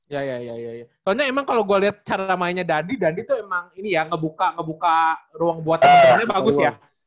ya ya ya ya soalnya emang kalo gua liat cara mainnya dandi dandi tuh emang ini ya ngebuka ruang buatan ruangnya bagus ya